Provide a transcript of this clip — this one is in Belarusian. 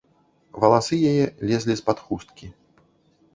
Валасы яе лезлі з-пад хусткі.